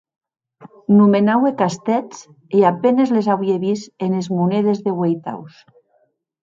Nomenaue castèths e a penes les auie vist enes monedes de ueitaus.